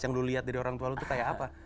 yang lo lihat dari orang tua lo itu kayak apa